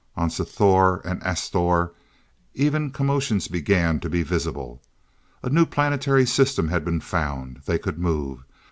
On Sthor and Asthor even commotions began to be visible. A new planetary system had been found They could move!